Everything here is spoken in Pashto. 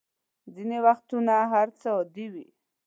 ځینې وختونه هر څه عادي وي.